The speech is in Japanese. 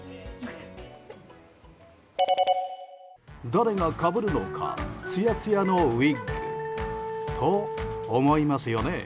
誰が、かぶるのかつやつやのウィッグ。と、思いますよね？